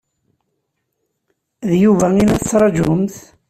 D Yuba i la tettṛaǧumt?